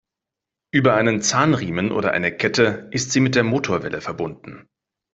Über einen Zahnriemen oder eine Kette ist sie mit der Motorwelle verbunden.